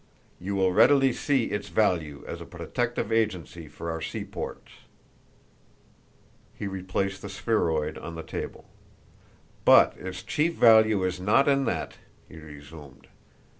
You will readily see its value as a protective agency for our seaports." He replaced the spheroid on the table. "But its chief value is not in that," he resumed.